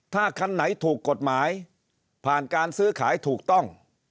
ถ้าคันไหนถูกกฎหมายผ่านการซื้อขายถูกต้อง